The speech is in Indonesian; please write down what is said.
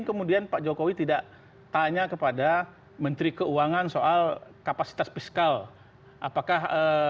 hai kemudian pak jokowi tidak tanya kepada menteri keuangan soal kapasitas fiskal apakah